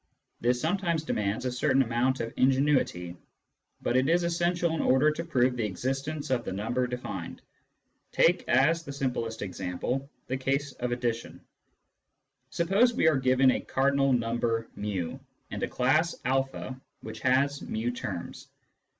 This sometimes demands a certain amount of ingenuity, but it is essential in order to prove the existence of the number defined. Take, as the simplest example, the case of addition. Suppose we are given a cardinal number [i, and a class a which has fi terms.